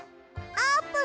あーぷん！